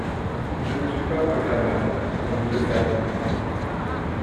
Je ne suis pas programmeur, comme vous le savez.